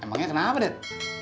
emangnya kenapa det